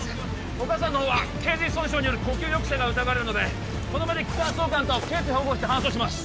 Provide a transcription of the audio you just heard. お母さんの方は頸髄損傷による呼吸抑制が疑われるのでこの場で気管挿管と頸椎保護して搬送します